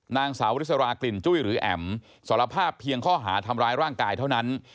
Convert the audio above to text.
นางสาวริสรากลิ่นจุ้ยหรือแอ๋มสารภาพเพียงข้อหาทำร้ายร่างกายเท่านั้น